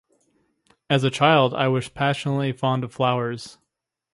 As a child I was passionately fond of flowers.